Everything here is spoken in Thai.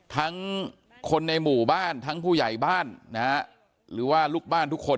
ทั้งคนในหมู่บ้านทั้งผู้ใหญ่บ้านนะฮะหรือว่าลูกบ้านทุกคน